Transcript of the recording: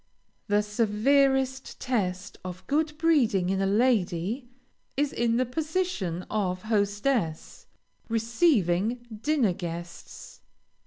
The severest test of good breeding in a lady, is in the position of hostess, receiving dinner guests.